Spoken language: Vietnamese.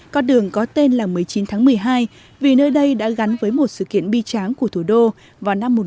con đường có tên là một mươi chín tháng một mươi hai vì nơi đây đã gắn với một sự kiện bi tráng của thủ đô vào năm một nghìn chín trăm bảy mươi